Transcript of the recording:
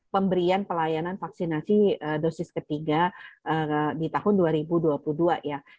pemberian pelayanan vaksinasi dosis ketiga di tahun dua ribu dua puluh dua ya